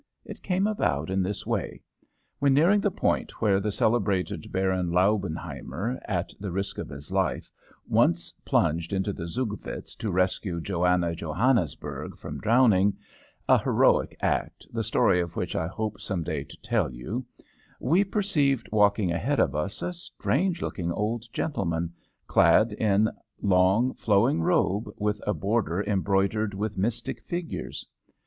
It came about in this way. When nearing the point where the celebrated Baron Laubenheimer, at the risk of his life, once plunged into the Zugvitz to rescue Johanna Johannisberg from drowning a heroic act, the story of which I hope some day to tell you we perceived walking ahead of us a strange looking old gentleman, clad in a long, flowing robe with a border embroidered with mystic figures.